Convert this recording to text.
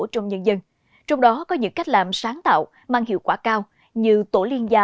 trong nhân dân trong đó có những cách làm sáng tạo mang hiệu quả cao như tổ liên gia